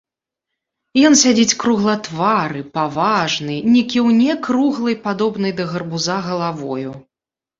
Ён сядзіць круглатвары, паважны, не кіўне круглай, падобнай да гарбуза, галавою.